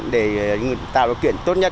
để tạo điều kiện tốt nhất